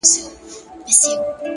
وخت د ژوند د پانګې نوم دی.